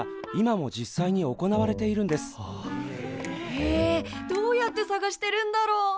へえどうやって探してるんだろう。